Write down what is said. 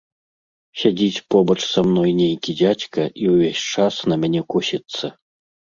Сядзіць побач са мной нейкі дзядзька і ўвесь час на мяне косіцца.